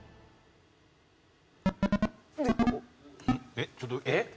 えっちょっとえっ。